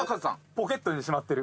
ポケットにしまってる。